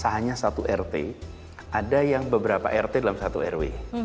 hanya satu rt ada yang beberapa rt dalam satu rw